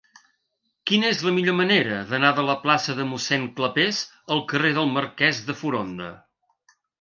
Quina és la millor manera d'anar de la plaça de Mossèn Clapés al carrer del Marquès de Foronda?